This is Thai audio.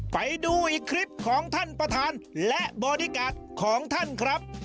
ไปดูอีกคลิปของท่านประธานและบอดี้การ์ดของท่านครับ